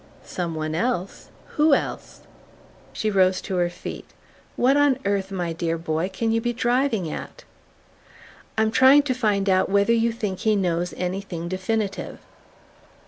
"Some one else? Who else?" She rose to her feet. "What on earth, my dear boy, can you be driving at?" "I'm trying to find out whether you think he knows anything definite."